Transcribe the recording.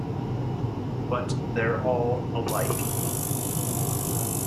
But they’re all alike.